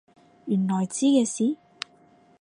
原來知嘅事？